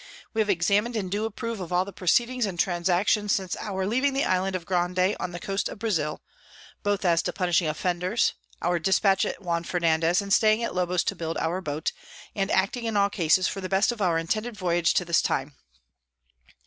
We have examin'd and do approve of all the Proceedings and Transactions since our leaving the Island of Grande on the Coast of Brazile, both as to punishing Offenders, our Dispatch at Juan Fernandez, and staying at Lobos _to build our Boat, and acting in all cases for the best of our intended Voyage to this time.